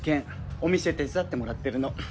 お店手伝ってもらってるの。